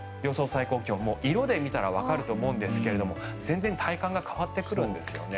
最高気温色で見たらわかると思うんですが全然体感が変わってくるんですね。